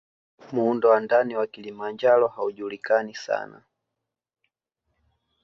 Muundo wa ndani wa Kilimanjaro haujulikani sana